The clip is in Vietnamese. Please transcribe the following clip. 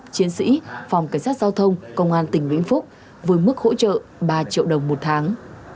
chiến sĩ phòng cảnh sát giao thông công an tỉnh vĩnh phúc với mức hỗ trợ ba triệu đồng một tháng